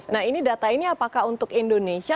nah ini data ini apakah untuk indonesia